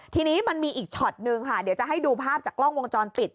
ทีนี้มันมีอีกช็อตนึงค่ะเดี๋ยวจะให้ดูภาพจากกล้องวงจรปิด